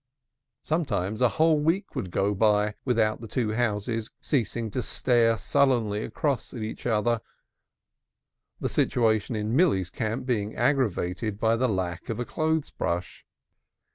Sometimes a whole week would go by without the two houses ceasing to stare sullenly across at each other, the situation in Milly's camp being aggravated by the lack of a clothes brush.